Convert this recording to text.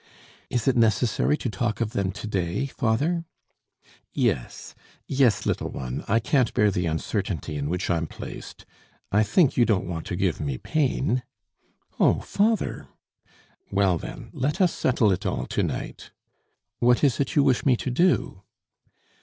"Is it necessary to talk of them to day, father?" "Yes, yes, little one; I can't bear the uncertainty in which I'm placed. I think you don't want to give me pain?" "Oh! father " "Well, then! let us settle it all to night." "What is it you wish me to do?"